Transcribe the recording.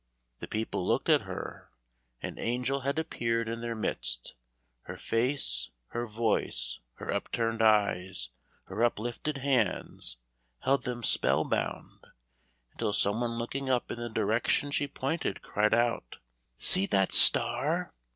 The people looked at her; an angel had appeared in their midst her face, her voice, her upturned eyes, her uplifted hands, held them spell bound, until some one looking up in the direction she pointed, cried out: "See that star!"